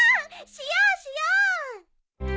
しようしよう。